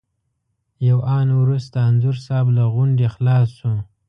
یو آن وروسته انځور صاحب له غونډې خلاص شو.